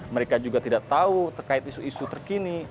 mereka juga tidak tahu terkait isu isu terkini